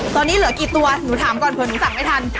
ตอนนี้เหลือกี่ตัวหนูถามก่อนเผื่อหนูสั่งไม่ทัน